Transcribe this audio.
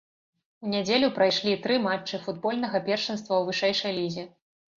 У нядзелю прайшлі тры матчы футбольнага першынства ў вышэйшай лізе.